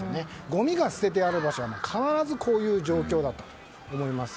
ごみが捨ててある場所は必ずこういう状況だったと思います。